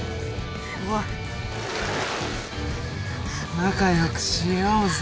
仲良くしようぜ。